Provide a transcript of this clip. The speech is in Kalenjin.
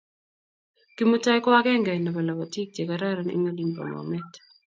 Kimutai ko agenge nebo labatiik che che kararan eng olin bo Bomet